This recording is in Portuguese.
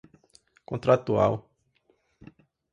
contratual